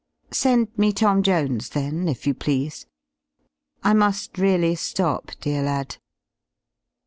Send me "Tom Jones" then, if you please. I mu^ reaMy ^op, dear lad.